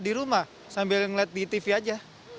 di rumah sambil ngeliat di tv aja